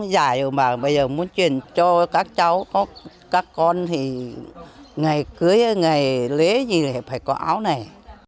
giải mà bây giờ muốn truyền cho các cháu các con thì ngày cưới ngày lễ gì này phải có áo này